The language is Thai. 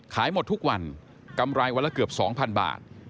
ขายหมดทุกวันกำไรวันละเกือบ๒๐๐บาท